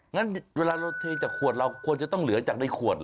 งั้นเวลาเราเทจากขวดเราควรจะต้องเหลือจากในขวด